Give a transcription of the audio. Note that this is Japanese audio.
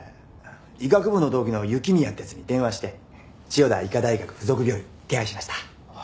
医学部の同期の雪宮って奴に電話して千代田医科大学付属病院手配しました。